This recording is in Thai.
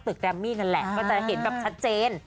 แกรมมี่นั่นแหละก็จะเห็นแบบชัดเจน